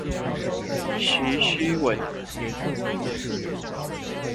徐訏文集